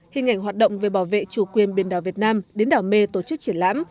hình ảnh hoạt động về bảo vệ chủ quyền biển đảo việt nam đến đảo mê tổ chức triển lãm